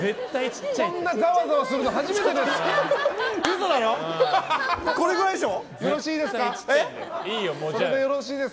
こんなざわざわするの初めてです。